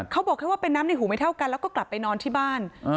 เขาบอกแค่ว่าเป็นน้ำในหูไม่เท่ากันแล้วก็กลับไปนอนที่บ้าน